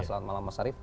selamat malam mas arief